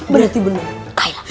berarti bener kaila